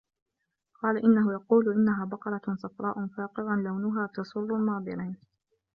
قَالَ إِنَّهُ يَقُولُ إِنَّهَا بَقَرَةٌ صَفْرَاءُ فَاقِعٌ لَوْنُهَا تَسُرُّ النَّاظِرِينَ